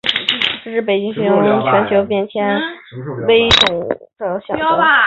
这只北极熊被视为全球气候变迁濒危物种的象征。